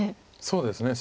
そうですね。